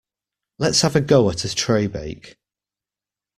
Let's have a go at a tray bake.